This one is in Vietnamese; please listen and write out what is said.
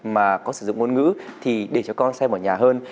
mà có sử dụng ngôn ngữ thì để cho con xem ở nhà hơn